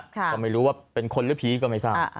ก็ไม่รู้ว่าเป็นคนหรือผีก็ไม่ทราบ